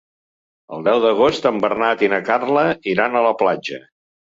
El deu d'agost en Bernat i na Carla iran a la platja.